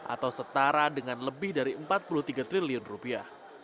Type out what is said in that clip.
atau setara dengan lebih dari empat puluh tiga triliun rupiah